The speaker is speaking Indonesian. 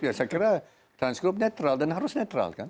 ya saya kira transkup netral dan harus netral kan